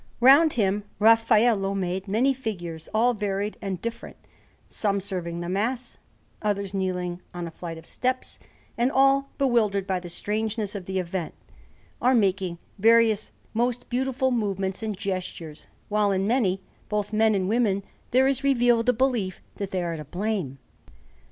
Round him Raffaello made many figures, all varied and different, some serving the Mass, others kneeling on a flight of steps; and all, bewildered by the strangeness of the event, are making various most beautiful movements and gestures, while in many, both men and women, there is revealed a belief that they are to blame.